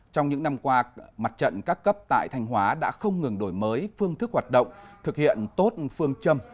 trong những năm qua mặt trận các cấp tại thanh hóa đã không ngừng đổi mới phương thức hoạt động thực hiện tốt phương châm